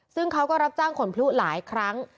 ซึ่งเขาก็รับจ้างขนพลุหลายครั้ง